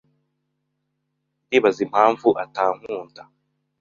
Ndibaza impamvu atankunda.